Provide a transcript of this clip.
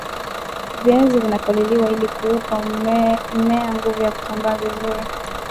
viazi vinapaliliwa ili kuupa mmea nguvu ya kutambaa vizuri